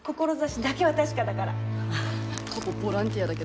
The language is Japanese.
ここボランティアだけどね。